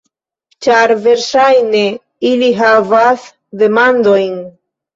Ĉar versaĵne ili havas demandojn